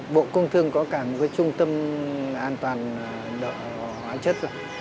bộ công thương có cả một cái trung tâm an toàn hóa chất rồi